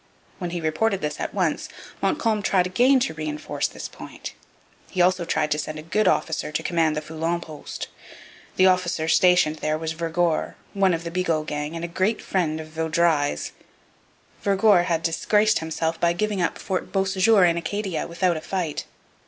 When he reported this at once, Montcalm tried again to reinforce this point. He also tried to send a good officer to command the Foulon post. The officer stationed there was Vergor, one of the Bigot gang and a great friend of Vaudreuil's. Vergor had disgraced himself by giving up Fort Beausejour in Acadia without a fight.